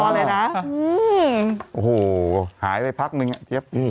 รอเลยนะอืมโอ้โหหายได้พักนึงอะเฮียบ